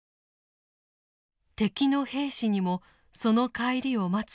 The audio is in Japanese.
敵の兵士にもその帰りを待つ家族がいる。